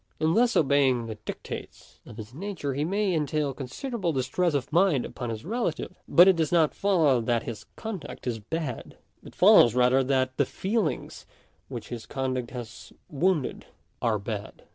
In thus obeying the dictates of his nature he may entail considerable distress of mind upon his relatives ; but it does not follow that his conduct is bad ; it follows rather that the feelings which his conduct has wounded are bad.